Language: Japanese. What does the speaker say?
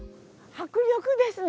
迫力ですね！